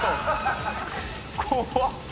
怖っ！